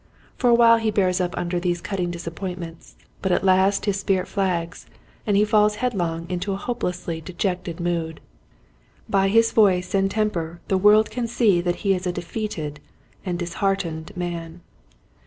For awhile he bears up under Despondency, 79 these cutting disappointments but at last his spirit flags and he falls headlong into a hopelessly dejected mood. By his voice and temper the world can see that he is a defeated and disheartened man.